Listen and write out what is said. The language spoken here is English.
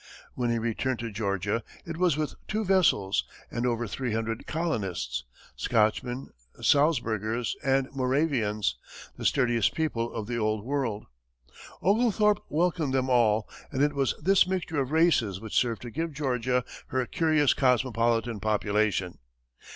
When he returned to Georgia, it was with two vessels, and over three hundred colonists Scotchmen, Salzburgers and Moravians, the sturdiest people of the Old World. Oglethorpe welcomed them all, and it was this mixture of races which served to give Georgia her curious cosmopolitan population.